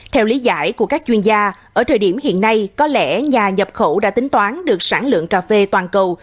theo lý giải của các chuyên gia ở thời điểm hiện nay có lẽ nhà nhập khẩu đã tính toán được sản lượng cà phê toàn cầu